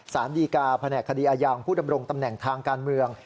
สารดีกาแผนกคดีอายางผู้ดำรงตำแหน่งทางการเมือง